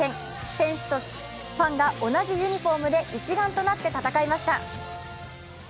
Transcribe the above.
選手とファンが同じユニフォームで一丸となって戦いました。